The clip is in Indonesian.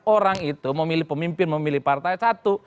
orang itu memilih pemimpin memilih partai satu